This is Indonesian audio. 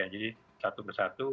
jadi satu persatu